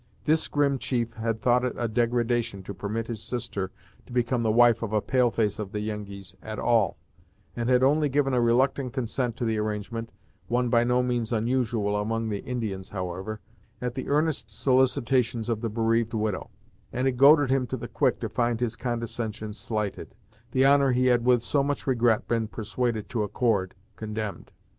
This grim chief had thought it a degradation to permit his sister to become the wife of a pale face of the Yengeese at all, and had only given a reluctant consent to the arrangement one by no means unusual among the Indians, however at the earnest solicitations of the bereaved widow; and it goaded him to the quick to find his condescension slighted, the honor he had with so much regret been persuaded to accord, condemned.